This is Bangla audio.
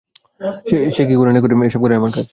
সে কি করে না করে এসব দেখাই কি আমার কাজ।